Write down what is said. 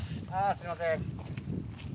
すみません。